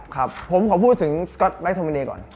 ครับผมขอพูดถึงสก๊อตไลคโทมิเนก่อน